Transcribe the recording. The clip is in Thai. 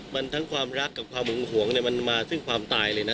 มันทั้งความรักกับความหึงหวงเนี่ยมันมาซึ่งความตายเลยนะ